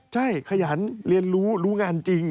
ใช่ขยันเรียนรู้รู้งานจริง